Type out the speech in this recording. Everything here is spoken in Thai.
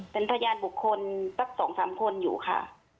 เป็นพยานบุคคลสัก๒๓คนอยู่ค่ะ